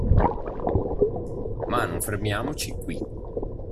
Ma non fermiamoci qui.